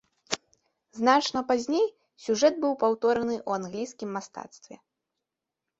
Значна пазней сюжэт быў паўтораны ў англійскім мастацтве.